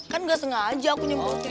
kan gak sengaja aku nyemotiva